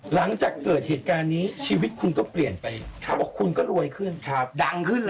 หลังจากเกิดเหตุการณ์นี้ชีวิตคุณก็เปลี่ยนไปเขาบอกคุณก็รวยขึ้นดังขึ้นเลย